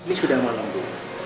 ini sudah malam bu